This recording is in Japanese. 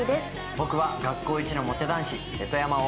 僕は学校一のモテ男子、瀬戸山を。